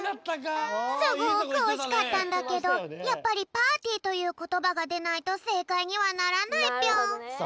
すごくおしかったんだけどやっぱり「パーティー」ということばがでないとせいかいにはならないぴょん。